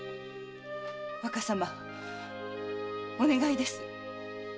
若様お願いです。